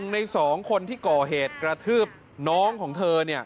ใน๒คนที่ก่อเหตุกระทืบน้องของเธอ